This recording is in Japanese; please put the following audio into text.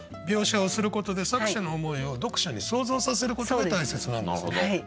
描写をすることで作者の思いを読者に想像させることが大切なんですね。